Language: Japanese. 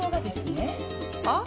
あっ。